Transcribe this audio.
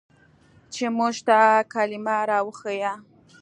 چې موږ ته کلمه راوښييه.